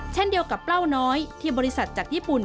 เช่นเดียวกับเปล้าน้อยที่บริษัทจากญี่ปุ่น